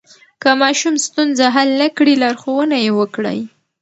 که ماشوم ستونزه حل نه کړي، لارښوونه یې وکړئ.